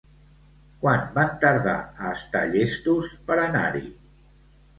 Quant van tardar a estar llestos per anar-hi?